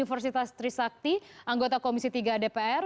astri sakti anggota komisi tiga dpr